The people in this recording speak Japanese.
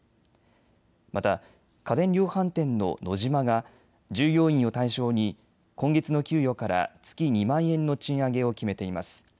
また家電量販店のノジマが従業員を対象に今月の給与から月２万円の賃上げを決めています。